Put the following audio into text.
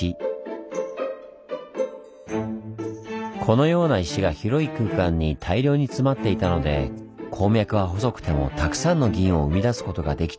このような石が広い空間に大量に詰まっていたので鉱脈は細くてもたくさんの銀を生み出すことができたんです。